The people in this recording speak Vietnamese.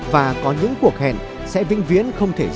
và có những cuộc hẹn sẽ vinh viễn không ngừng